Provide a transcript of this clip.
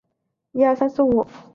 斡特懒返还回家。